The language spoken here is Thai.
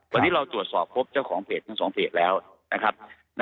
วันนี้เราตรวจสอบพบเจ้าของเพจทั้ง๒เพจแล้วนะครับ